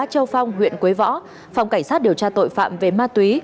châu phong huyện quế võ phòng cảnh sát điều tra tội phạm về ma túy